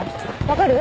分かる？